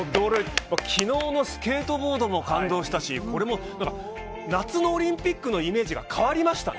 昨日のスケートボードも感動したし、これも夏のオリンピックのイメージが変わりましたね。